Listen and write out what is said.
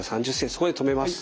そこで止めます。